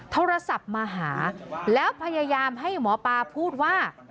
โทรศัพท์มาหาแล้วพยายามให้หมอปลาพูดว่า